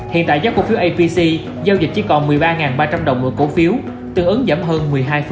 hiện tại do cổ phiếu abc giao dịch chỉ còn một mươi ba ba trăm linh đồng mỗi cổ phiếu tương ứng giảm hơn một mươi hai